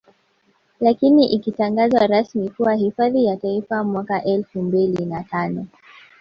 Lakini ikatangazwa rasmi kuwa hifadhi ya Taifa mwaka Elfu mbili na tano